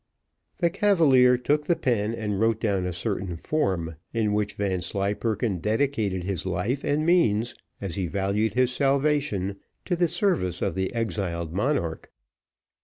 The cavalier took the pen and wrote down a certain form, in which Vanslyperken dedicated his life and means, as he valued his salvation, to the service of the exiled monarch.